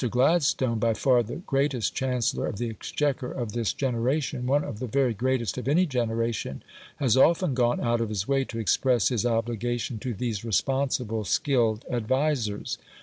Gladstone, by far the greatest Chancellor of the Exchequer of this generation, one of the very greatest of any generation, has often gone out of his way to express his obligation to these responsible skilled advisers.